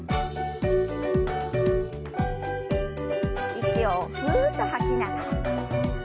息をふっと吐きながら。